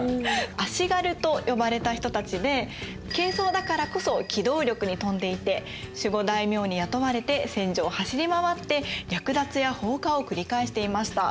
足軽と呼ばれた人たちで軽装だからこそ機動力に富んでいて守護大名に雇われて戦場を走り回って略奪や放火を繰り返していました。